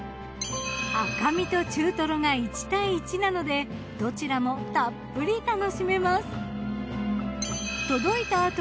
赤身と中トロが１対１なのでどちらもたっぷり楽しめます。